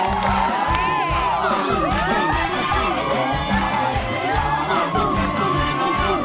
อัศวิน